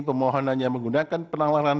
pemohonannya menggunakan penalaran